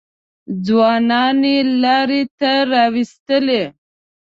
ځوانان یې لارې ته راوستلي.